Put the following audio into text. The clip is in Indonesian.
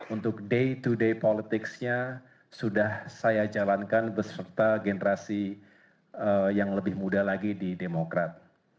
untuk day to day politics nya sudah saya jalankan beserta generasi yang lebih muda lagi di demokrat